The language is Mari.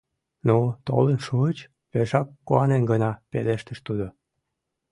— Ну, толын шуыч, — пешак куанен гына пелештыш тудо.